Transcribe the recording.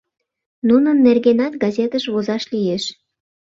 Нунын нергенат газетыш возаш лиеш.